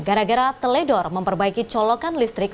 gara gara teledor memperbaiki colokan listrik